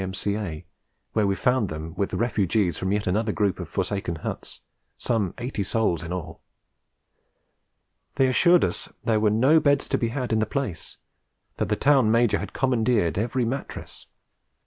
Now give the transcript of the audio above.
M.C.A., where we found them with the refugees from yet another group of forsaken huts, some eighty souls in all. They assured us there were no beds to be had in the place, that the Town Major had commandeered every mattress.